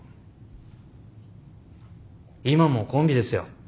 今もコンビですよ。